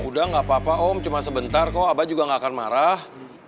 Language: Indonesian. udah gapapa om cuma sebentar kok abah juga ga akan marah